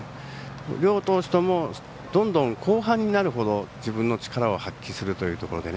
両投手ともどんどん後半になるほど自分の力を発揮するというところで。